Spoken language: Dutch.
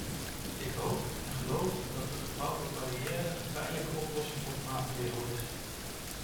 Ik hoop en geloof dat de gebouwde barrière een tijdelijke oplossing of maatregel is.